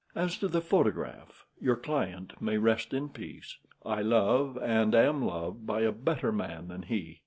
As to the photograph, your client may rest in peace. I love and am loved by a better man than he.